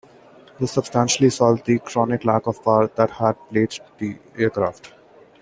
This substantially solved the chronic lack of power that had plagued the aircraft.